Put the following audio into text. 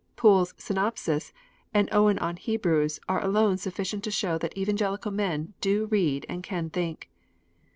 Poole s Synopsis and Owen on Hebrews are alone sufficient to show that Evan gelical men do read and can think.